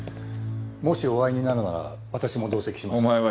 もしお会いになるなら私も同席します。